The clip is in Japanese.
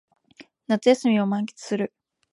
夏休みを満喫する